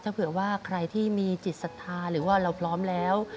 ถ้าเผื่อว่าใครที่มีจิตศรัทธาหรือว่าเราพร้อมแล้ว